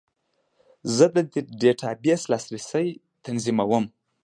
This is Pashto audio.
زه د ډیټابیس لاسرسی تنظیموم.